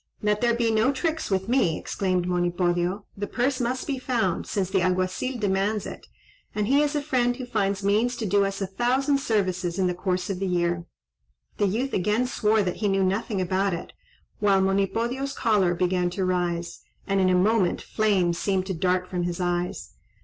"Let there be no tricks with me," exclaimed Monipodio; "the purse must be found, since the Alguazil demands it, and he is a friend who finds means to do us a thousand services in the course of the year." The youth again swore that he knew nothing about it, while Monipodio's choler began to rise, and in a moment flames seemed to dart from his eyes.